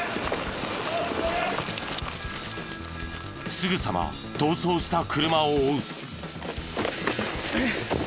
すぐさま逃走した車を追う。